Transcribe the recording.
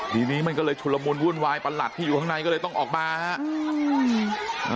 ทีนี้มันก็เลยชุลมุนวุ่นวายประหลัดที่อยู่ข้างในก็เลยต้องออกมาครับ